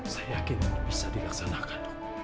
saya yakin ini bisa dilaksanakan dok